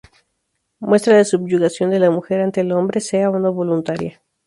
Muestra la subyugación de la mujer ante el hombre, sea o no voluntaria.